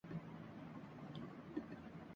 امتحانات باقی ہیں ملالہ نے گریجویشن کرنے کی تردید کردی